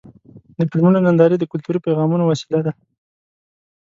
د فلمونو نندارې د کلتوري پیغامونو وسیله ده.